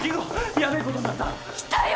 ヤベえことになった。来たよ！